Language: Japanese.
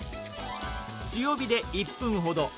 強火で１分ほど。